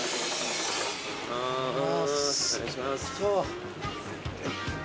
お願いします。